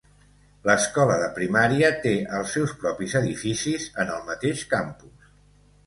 L'escola de primària té els seus propis edificis en el mateix campus.